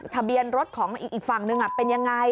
ทะเบียนรถของอีกฝั่งหนึ่งเป็นยังไง